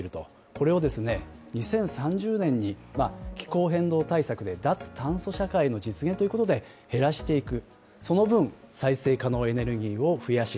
これを２０３０年に気候変動対策で脱炭素社会の実現ということで減らしていく、その分、再生可能エネルギーを増やし